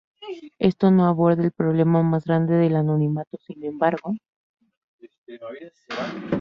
Esto no aborda el problema más grande del anonimato sin embargo.